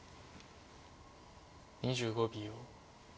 ２５秒。